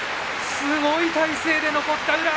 すごい体勢で残った宇良。